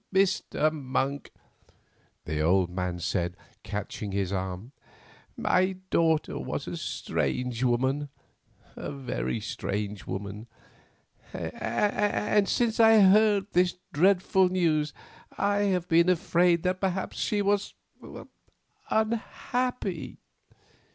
"Mr. Monk," the old man said, catching his arm, "my daughter was a strange woman, a very strange woman, and since I heard this dreadful news I have been afraid that perhaps she was—unhappy.